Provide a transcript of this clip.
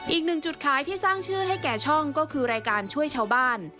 อีกหนึ่งจุดขายที่สร้างชื่อให้แก่ช่องก็คือรายการช่วยชาวบ้าน